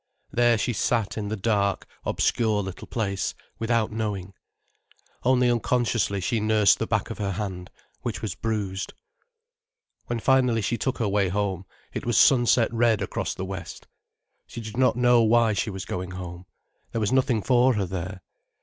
There she sat in the dark, obscure little place, without knowing. Only unconsciously she nursed the back of her hand, which was bruised. When finally she took her way home, it was sunset red across the west. She did not know why she was going home. There was nothing for her there.